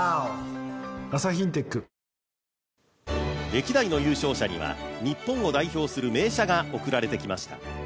歴代の優勝者には日本を代表する名車が贈られてきました。